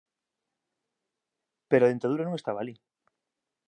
Pero a dentadura non estaba alí.